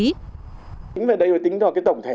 tính về đây thì tính vào cái tổng thể